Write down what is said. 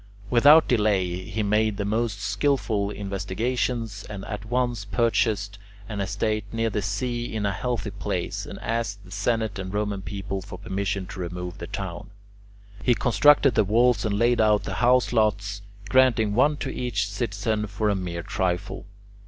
Without delay he made the most skilful investigations, and at once purchased an estate near the sea in a healthy place, and asked the Senate and Roman people for permission to remove the town. He constructed the walls and laid out the house lots, granting one to each citizen for a mere trifle.